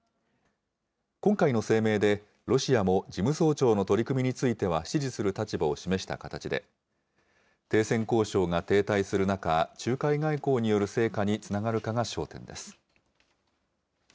今回の声明で、ロシアも事務総長の取り組みについては支持する立場を示した形で、停戦交渉が停滞する中、仲介外交による成果につながるかが焦点です。